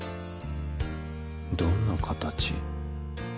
どんな形？